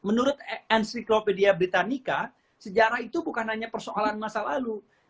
menurut encyclopedia britanica sejarah itu bukan hanya persoalan masa lalu